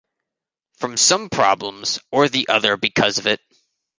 From some problems or the other because of it.